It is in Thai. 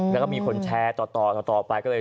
แล้วก็มีคนแชร์ต่อต่อไป